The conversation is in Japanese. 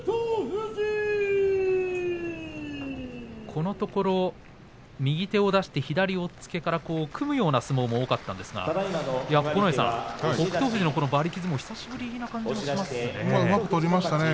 このところ、右手を出して、左押っつけから組むような相撲も多かったんですが九重さん、北勝富士のこの馬力相撲、久しぶりな感じがうまく取りましたね